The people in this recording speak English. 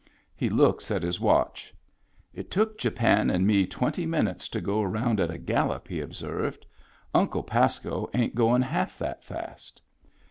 He looks at his watch. " It took Japan and me twenty minutes to go around at a gallop," he observes. " Uncle Pasco ain't goin' half that fast."